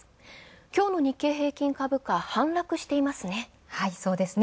今日の日経平均株価、反落していますね。